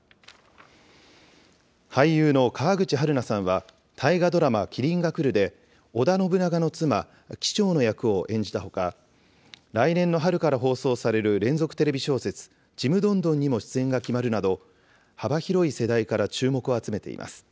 俳優の川口春奈さんは、大河ドラマ、麒麟がくるで織田信長の妻、帰蝶の役を演じたほか、来年の春から放送される連続テレビ小説、ちむどんどんにも出演が決まるなど、幅広い世代から注目を集めています。